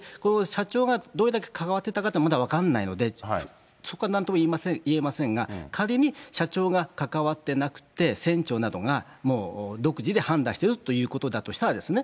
社長がどれだけ関わっていたかというのは、まだ分からないので、そこはなんとも言えませんが、仮に社長が関わってなくて、船長などがもう独自で判断してるということだとしたら。